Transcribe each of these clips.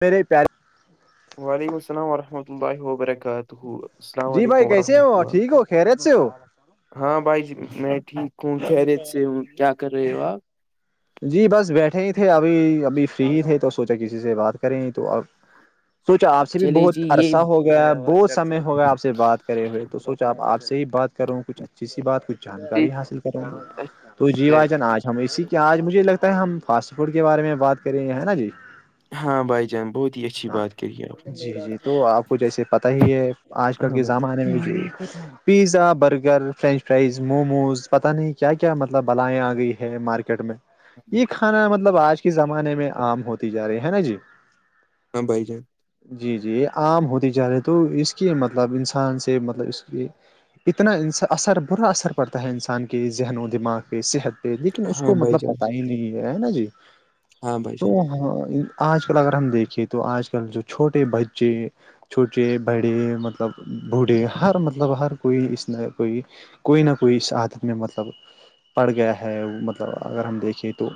میرے پارے وعلیکم السلام وورحمۃ اللہ وبرکاتہ السلام جی علیکم بھائی کیسے وورحمۃ ہو اللہ ٹھیک ہو خیریت سے ہو ہاں بھائی جی میں ٹھیک ہوں خیریت سے ہوں کیا کر رہے ہو آپ جی بس بیٹھے ہی تھے ابھی ابھی فری ہی تھے تو سوچا کسی سے بات کریں ہی تو اب سوچو آپ سے بھی چلیے جی بہت یہ عرصہ ہوگا بہت سمے ہوگا آپ سے بات کرے ہوئے تو سوچا آپ آپ سے ہی بات کروں کچھ اچھا کی بات کچھ جانکاری حاصل کر رہے ہے تو جیو جن آج ہم اسی کیا آج مجھے لگتا ہے ہم فاسٹ فوڈ کے بارے میں بات کریں ہیں نا جی ہاں بھائی جان بہت ہی اچھی ہاں بات کری آپ نے جی جی تو آپ کو جیسے پتا ہی ہے آج کل ہاں کے بھائی زمانے میں بھی pizza burger French fries momos پتہ نہیں کیا کیا مطلب بالائیں آ گئی ہے مارکیٹ ٹ یہ کھانا مطلب آج کے زمانے میں عام ہوتی جا رہی ہے نا جی ہاں بائی جان جی جی عام ہوتی جا رہی ہے تو اس کی مطلب انسان سے مطلب اس کی اتنا اثر برا اثر پڑتا ہے انسان کے ذہن و دماغ پہ صحت پہ لیکن اس ہاں کو بھائی مطلب جان پت ہے نا جی ہاں بھائی تو جان ہاں آج کل اگر ہم دیکھے تو آج کل جو چھوٹے بچے چھوٹے بڑے مطلب بوڑھے ہر مطلب ہر کوئی اس نے کوئی کوئی نہ کوئی اس عادت میں مطلب پڑ گیا ہے اگر ہم دیکھیں تو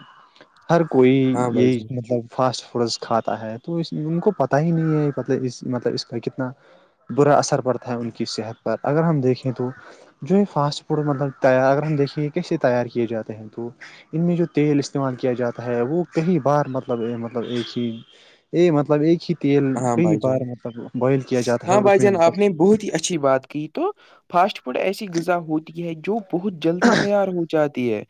ہر کوئی ہاں بھائی یہی جان مطلب فاسٹ فوڈس کھاتا ہے تو اس ان کو پت ہی نہیں ہےل اس مطلب اس کا کتنا برا اثر پڑتا ہے ان کی صحت پر اگر ہم دیکھیں تو جو یہ فاسٹ فوڈ مطلب تیار اگر ہم دیکھیںے یہ کیسے تیار کیے جاتے ہیں تو ان میں جو تیل استعمال کیا جاتا ہے وہ کئی بار مطلب مطلب ایک ہی ا مطلب ایک ہی تیل ہاں کئی بھائی جان بار مطلب بوائل کیا جاتا ہے ہاں اور اس بھائی میں جان مطلب آپ نے بہت ہی اچھی بات تو فاسٹ فوڈ ایسی غذا ہوتی ہے جو بہت جلدی تیار ہو جاتی ہے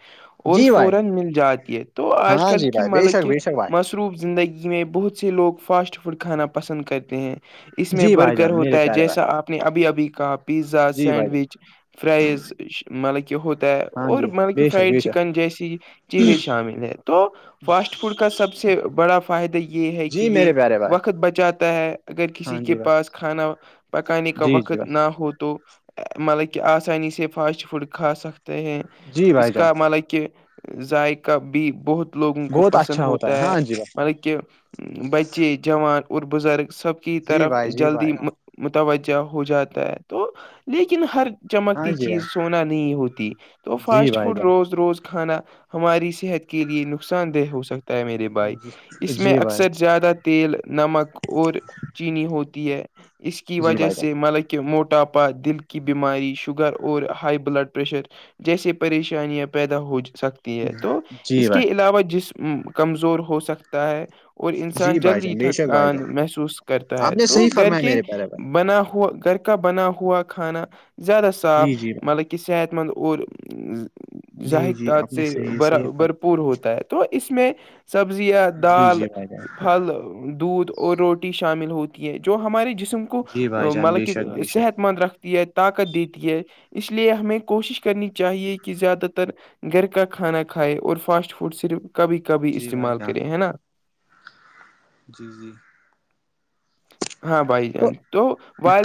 اور جی بھائی فورم مل جاتی ہے تو آج ہاں کل جی کی بھائی بے مطلب شک کہ بے شک بھائی متروب زندگی میں بہت سے لوگ فاسٹ فوڈ کھانا پسند کرتے ہیں اس میں جی بھائی برگر جان میرے ہوتا ہے پیارے جیسا بھائی آپ نے ابھی ابھی کہا پیزا جی بھائی جان سینڈوچ فرائز مطلب کہ ہوتا ہے ہاں اور جی مطلب کہ بے شک فرائڈ بے شک چکن جیسی چیزیں شامل ہے تو فاسٹ فوڈ کا سب سے بڑا فائدہ یہ ہے کہ جی یہ میرے پیارے بھائی وقت وقت بچاتا ہے اگر کسی ہاں کے جی بھائی پاس کھانا پکانے کا جی جی وقت نہ بھائی ہو تو مطلب کہ آسانی سے فاسٹ فوڈ کھا سکتے ہیں جی اس بھائی جان کا مطلب کہ ذائقہ بھی بہت لوگوں کو بہت پسند اچھا ہوتا ہے ہاں جی بھائی مطلب کہ بچے جوان اور بزرگ سب کی جی طرف بھائی جی جلدی بھائی متوجہ ہو جاتا ہے تو لیکن ہر ہاں چمکتی چیز سونا نہیں ہوتی تو جی فاسٹ بھائی جی بھائی فوڈ جان روز روز کھانا ہماری صحت کے لیے نقصان دہ ہو سکتا ہے میرے بھائی جی اس میں جی بھائی اکثر زیادہ تیل نمک اور چینی ہوتی ہے اس کی جی وجہ بھائی جان سے ملک کہ موٹاپا دل کی بیماری شوگر اور ہائی بلڈ پریشر جیسے پریشانیاں پیدا ہو سکتی ہے تو جی اس کے بھائی علاوہ جسم کمزور ہو سکتا ہے اور انس جی بھائی جلدی جان بے شک بھائی تھکان جان محسوس کرتا آپ ہے نے تو صحیح گھر فرمایا کے میرے پیارے بھائی بنا ہوا گھر پکا بنا ہوا کھانا زیادہ صاف جی جی بھائی مطلب کہ صحت مند اور جی زحک ت جی آپ نے سے صحیح ب صحیح بھرپور ہوتا ہے تو اس میں سبزیاں جی دال جی بھائی جان پھل دودھ اور روٹی شامل ہوتی ہے جو ہمارے جسم کو جی بھائی جان مطلب بے کہ شک بے شک صحت مند رکھتی ہے طاقت دیتی ہے اس لیے ہمیں کوشش کرنی چاہیے کہ زیادہ تر گھر کا کھانا کھائے اور فاسٹ فوڈ صرف کبھی کبھی جی بھائی استعمال جان کرے ہے نا جی جی ہاں والدین تو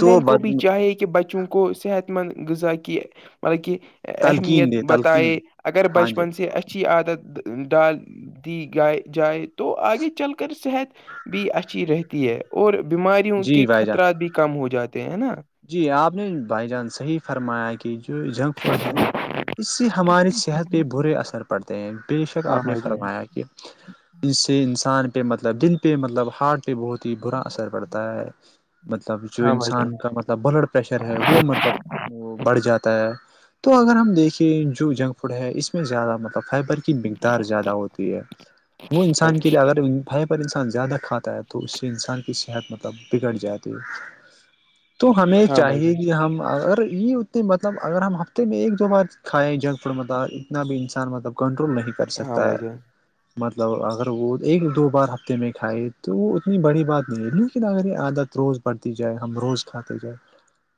تو کو بھی چاہیے کہ بچوں کو صحت مند غذا کی مطلب کہ اہمیت تلقین دے تلقین بتائے دے اگر ہاں جی بچپن سے اچھا ا عادت ڈال دی گائے جائے تو آگے چل کر صحت بھی اچھی رہتی ہے اور بیماریوں جی کے بھائی جان خطرات بھی کم ہو جاتے ت ہیں نا جی آپ نے بھائی جان صحی فرمایا کی جو جنک فوڈ ہے اس سے ہماری صحت پہ برے اثر پڑتے ہیں بے شک ہاں آپ نے بھائی جان فرمایا کیا ج سے انسان پہ مطلب دن پہ مطلب ہارڈ پہ بہت ہی برا اثر پڑتا ہے مطلب جو ہاں بھائی جان انسان کا مب بلڈ پریشر ہے وہ مطلب وہ بڑھ جاتا ہے تو اگر ہم دیکھیں جو جنک فوڈ ہے اس میں زیادہ مطلب فائبر کی مقدار زیادہ ہوتی ہے وہ انسان کے لیے اگر ان بھائی پر انسان زیادہ کھاتا ہے تو اس سے انسان کی صحت مطلب بگڑ جاتی ہے تو ہمیں ہاں بھائی چاہیے جان کہ ہم اگر یہ مطلب اگر ہم ہفتے میں ایک دو بار کھائیں جنک فوڈ مط اتنا بھی انسان مطلب کنٹرول نہیں کر ہاں سکتا بھائی ہے جان مطلب اگر وہ ایک دو بار ہفتے میں کھائے تو وہ اتنی بڑی بات نہیں ہے لیکن اگر یہ عادت روز پڑتی جائے ہم روز کھاتے جائ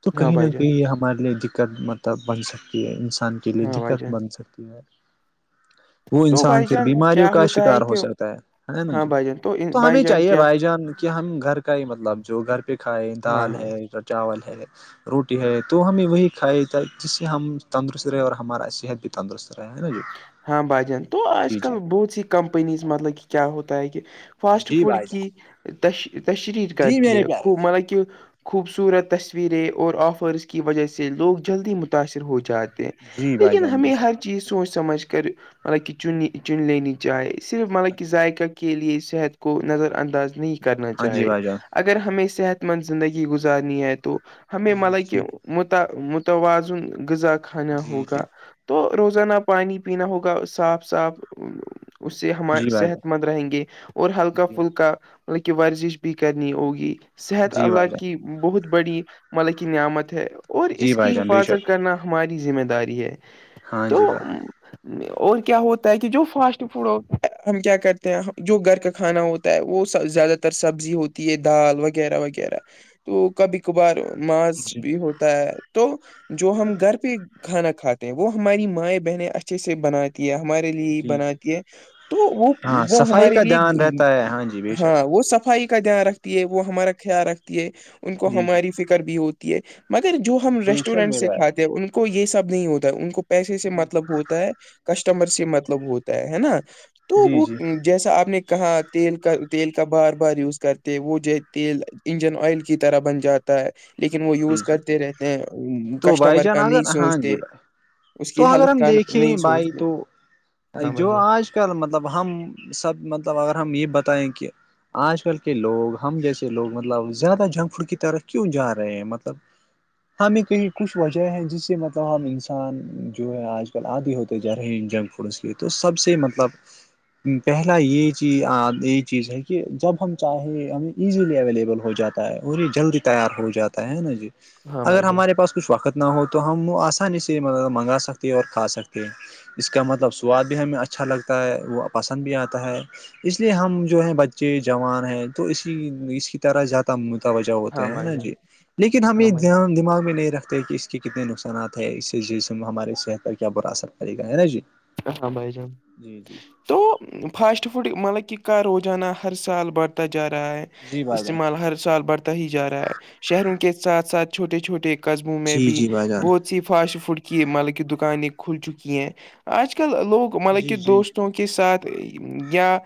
تو ہاں کہیں نہ بھائی کہیں جان یہ ہمارے لیے دقت مطلب بن سکتی انسان کے لیے ہاں بھائی دقت جان بن سکتی ہے وہ تو انسان بھائی پھر جان کیا بیماریوں کا ہوتا ہے شکار ہو کہ سکتا ہےا نا ہاں جی بھائی جان ان- تو بھائی ہمیں جان چاہیے کیا بائی جان کہ ہم گھر کا ہی مطلب جو گھر پہ کھائے ہاں دال ہاں ہے چاول ہے روٹی ہے تو ہمیں وہی کھائی تھا جس سے ہم تندرست رہے اور ہمارا صحت بھی تندرست رہا ہے نا جی ہاں بھ جان تو آج جی کل بہت سی کمپنیز مطلب کہ کیا ہوتا ہے کہ جی فاسٹ جی فوڈ بھائی جان کیش تشریر جی کرتی میرے ہے پیارے خو م کہ خوبصورت تصویریں اور آفرز کی وجہ سے لوگ جلدی متاثر ہو جات جی بھائی لیکن جان بے ہمیں شک ہر چیز سوچ سمجھ کر مطلب کہ چننی چن لینی چاہے صرف مطلب ہاں کہ جی ذائقہ کے لیے صحت کو نظر انداز نہیں کرنا ہاں جی چاہے بھائی جان اگر ہمیں صحت مند زندگی گزارنی ہے تو ہمیں جی مطلب کہ جی متوازن غذا کھانا جی جی ہوگا تو روزانہ پانی پینا ہوگا صاف صاف اس سے ہمارے جی بھائی صحت جان مند رہیں گے اور ہلکا جی فلکا مطلب کی ورزش بھی کرنی ہوگی صحت جی اللہ بھائی جان کی بہت بڑی مطلب کی نعمت ہے اور جی اس بھائی کی جان بے شک حفاظت کرنا ہماری ذمہ داری ہے ہاں تو جی گا اور کیا ہوتا ہے کہ جو فاسٹ فوڈ ہو ہم کیا کرتے ہیں جو گھر کا کھانا ہوتا ہے وہ زیادہ تر سبزی ہوتی ہے دال وغیرہ وغیرہ تو کبھی کبھار ماذ جی بھی ہوتا ہے تو جو ہم گھر پہ کھانا کھاتے ہیں وہ ہماری مائیں بہنیں اچھے سے بن ہے ہمارے لیے جی جی بناتی ہے تو وہ ہاں وہ صفائی ہمارے کا لیے دھیان رہتا ہے ہاں جی بے شک ہاں وہ صفائی کا دھیان رکھتی ہے وہ ہمارا خیال رکھتی ہے ان کو جی جی ہماری فکر بھی ہوتی ہے مگر جو ہم بے شک ریسٹورینٹ میرے سے بھائی کاتے ہیں ان کو یہ سب نہیں ہوتا ہے ان کو پیسے سے جی مت ہوتا ہے کسٹمر سے مطلب ہوتا ہے ہے نا تو جی وہ جی جیسا آپ نے کہا تیل کا تیل کا بار بار یوز کرتے وہ جو تیل انجن آئل کی طرح بن جاتا ہے لیکن وہ جی یوز جی کرتے رہتے ہیں تو بھائی کسٹمر جان کا نہیں اگر ہاں سوچتے جی بھائی اس تو کی اگر ہیلت ہم دیکھیں بھائی تو ب ہاں بھائی جو جان آج کل مطلب ہم سب مطلب اگر ہم یہ بتائیں کہ آج کل کے لوگ ہم جیسے لوگ مطلب زیادہ جنک فوڈ کی طرف کیوں جا رہے رہے ہیں مطلب ہم ایک کہیں کچھ وجہ ہیں جس سے مطلب ہم انسان جو ہے آج کل عادے ہوتے جا رہے ہیں جب پ اس کیے تو سب سے مطلب پہلا یہ چی یہی چیز ہے کہ جب ہم چاہے ہمیں ایزیلی اویلیبل ہو جاتا ہے اور یہ جلدی تیار ہو جاتا ہے نا جی ہاں اگر بھائی جان ہمارے پاس کچھ وقت نہ ہو تو ہم وہ آسانی سےب منگا سکتے ہیں اور کھا سکتے ہیں اس کا مطلب سواد بھی ہمیں اچھا لگتا ہے وہ پسند بھی آتا ہے اس لیے ہم جو ہے بچے جوان ہیں تو اسی اس کی طر زیادہ متوجہ ہوتے ہاں ہیں بھائی نا جان جی لیکن ہم ہاں یہ دان بھائی دماغ میں نہیں رکھتے کہ اس کے کتنے نقصانات ہے اس جیز ہماراری صحت پر کیا برا اثر پڑے گا ہے نا جی ہاں بھائی جان جی جی تو فاسٹ فوڈ مطلب کہ کا روزانہ ہر سال بڑھتا جا رہا ہے جی بھائی جان استعمال ہر سال بڑھتا ہی جا رہا ہے شہروں کے ساتھ ساتھ چھوٹے چھوٹے کے قصبوں میں جی بھی جی بھائی جان بہت سی فاسٹ فوڈ کی مطلب کی دکانیں کھل چکی ہیں آج کل لوگ مطلب کہ جی جی دوستوں کے ساتھ یا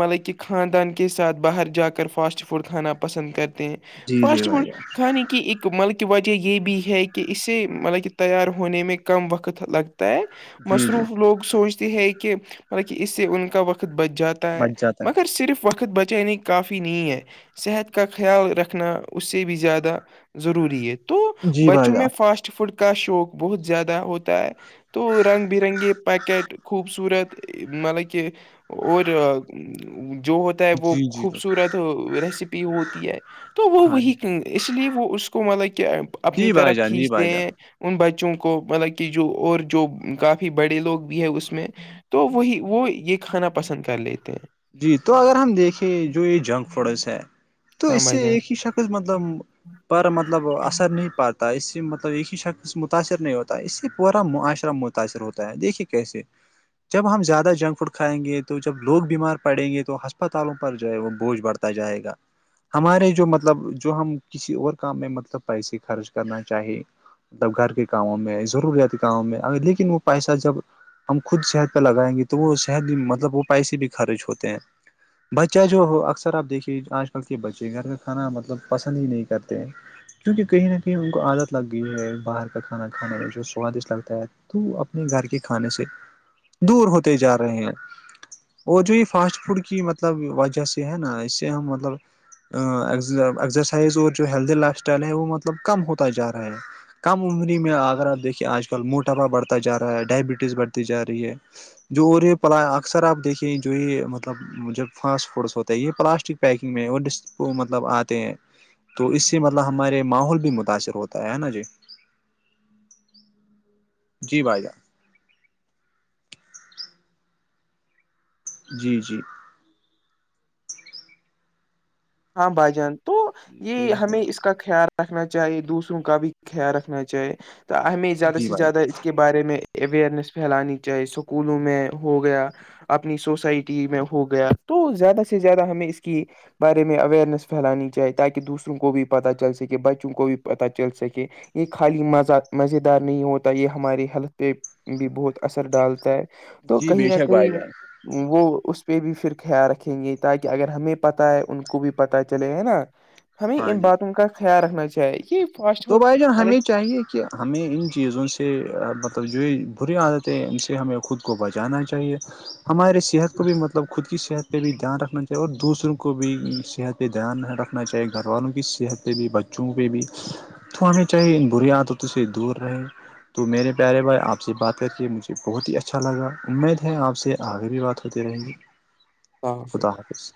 مطلب کہ خاندان کے ساتھ باہر جا کر فاسٹ فوڈ کھانا پسند کرتے ہیں جی جی فاسٹ بھائی فوڈ جان کھانے کی کہ ایک مطلب کی وجہ یہ بھی ہے کہ اسے مطلب کہ تیار ہونے میں کم وقت لگتا ہے جی جی مصروف لوگ سوچتے ہیں کہ مط اس سے ان کا وقت بچ جاتا ہے بچ جاتا مگر صرف وقت بچے نہیں کافی نہیں ہے صحت کا خیال رکھنا اس سے بھی زیادہ ضروری ہے تو جی بھائی بچوں میں جان فاسٹ فوڈ کا شوق بہت زیادہ ہوتا ہے تو رنگ برنگے پیکٹ خوبصورت مطلب کہہ اور جو ہوتا ہے وہ جی جی خوبصورت ریسیپی ہوتی ہے تو وہ ہاں وہی اس لیے وہ اس کو مطلب کہ اپنی جی بھائی طرف جان جی بھائی کھینچتے جان ہیں ان بچوں کو مطلب کہ جو اور جو کافی بڑے لوگ بھی ہے اس میں تو وہی وہ یہ کھانا پسند کر لیتے ہیں جی تو اگر ہم دیکھیں جو یہ جنک فرس ہے تو ہاں اس سے بھائی جان ایک ہی شخص مطلب پر مطلب اثر نہیں پاتا تا اس سے مطلب ایک ہی شخص متاثر نہیں ہوتا ہے اس سے پورا معاشرہ متاثر ہوتا ہے دیکھیے کیسے جب ہم زیادہ جنک فوڈ کھائیں گے تو جب لوگ بیمار پڑیں گے تو ہسپتالوں پر جو ہے وہ بوجھ بڑھتا جائے گا ہمارے جو مطلب جو ہم کسی اور کام میں مطلب پیسے خرچ کرنا چاہے مب گھر کے کاموں میں ضروریات کاموں میں لیکن وہ پیسہ جب ہم خود شہد پہ لگائیں گے تو وہ شہد بھی مطلب وہ پیسے بھی خرچ ہوتے ہیں بچہ جو ہو اکثر آپ دیکھیے آج کل کے بچے گھر کا کھانا مطلب پسند ہی نہیں کرتے کیونکہ کہیں نہ کہیں ان کو عادت لگ گئی ہے باہر کا کھانا کھانے میں جو سوادشٹ لگتا ہے تو اپنے گھر کے کھانے سے دور ہوتے جا رہے ہیں اور جو یہ فاسٹ فوڈ کی مطلب وجہ سے ہے نا اس سے ہم مطلب زرسائز اور جو ہیلدی لائف اسٹائل ہے وہ مطلب کم ہوتا جا رہا ہے کم عمری میں اگر آپ دیکھیے آج کل موٹاپا بڑھتا جا رہا ہے ڈائبٹیز بڑھتی جا رہی ہے جو اور یہ پ اکثر آپ دیکھییں جو یہ مطلب جب فاسٹ فوڈس ہوتے ہیں یہ پلاسٹک پیکنگ میں اور ڈسپو مطلب آتے ہیں تو اس سے مطلب ہمارے ماحول بھی متاثر ہوتا ہے ہے نا جی جی بھائی جان جی جی ہاں بھائی جان تو جی یہ صحیح ہمیں فرمایا اس کا خیال رکھنا چاہے دوسروں کا بھی خیال رکھنا چاہے تو ہمیں زیادہ جی سے بھائی زیادہ کے بارے میں اوئرنیس پھیلانی چاہی اسکولوں میں ہو گیا اپنی سوسائٹی میں ہو گیا تو زیادہ سے زیادہ ہمیں اس کی بارے میں اوئیرنیس پھیلانی چاہے تاکہ دوسروں کو بھی پتہ چل سکے بچوں کو بھی پتہ چل سکے یہ خالی مزہ مزیدار نہیں ہوتا یہ ہمارے ہیلتھ پہ بھی بہت اثر ڈالتا ہے جان، تو جی کہئی بے نہ شک بھائی کہئی جان وہ اس پہ بھی پھر خیال رکھیں گے تاکہ اگر ہمیں پتہ ہے ان کو بھی پتا چلے گ ہے نا ہمیں ہاں ان جی باتوں کا خیال رکھنا چاہیے کہ تو بھائی جان ہمیں چاہیے کیا ہمیں ان چیزوں سے مطلب جو بری عادتیں ان سے ہمیں خود کو بچانا چاہیے ہمارے صحت کو بھی مطلب خود کی صحت پہ بھی دھیان رکھنا چاہیے اور دوسروں کو بھی صحت پہ دھیان نہیں رکھنا چاہیے گھر والوں کی صحت پہ بھی بچوں پہ بھی تو ہمیں چاہے برییادوں سے دور رہے تو میرے پیارے بھائی آپ سے بات کر کے مجھے بہت ہی اچھا لگا امید ہے آپ سے آخری بھی بات ہو خدا حافظ